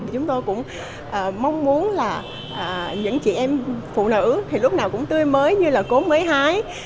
chúng tôi cũng mong muốn là những chị em phụ nữ thì lúc nào cũng tươi mới như là cố mới hái